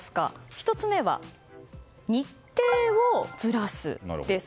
１つ目は日程をずらすです。